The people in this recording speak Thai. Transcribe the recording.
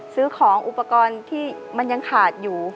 ซื้อของอุปกรณ์ที่มันยังขาดอยู่